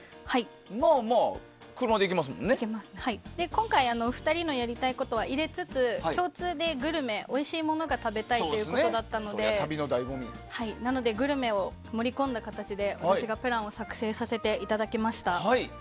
今回、お二人のやりたいことは入れつつ共通でグルメ、おいしいものが食べたいということだったのでグルメを盛り込んだ形で私がプランを作成させていただきました。